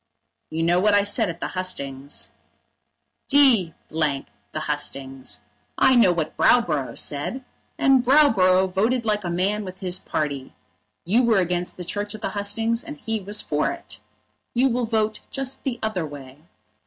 "You know what I said at the hustings." "D the hustings. I know what Browborough said, and Browborough voted like a man with his party. You were against the Church at the hustings, and he was for it. You will vote just the other way.